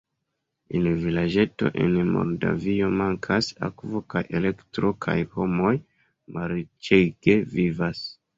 En vilaĝeto en Moldavio mankas akvo kaj elektro kaj homoj malriĉege vivas.